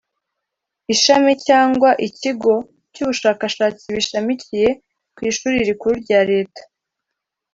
ishami cyangwa ikigo cy’ubushakashatsi bishamikiye ku ishuri rikuru rya Leta